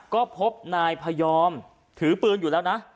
ก็พบนายพยอมถือปืนอยู่แล้วนะ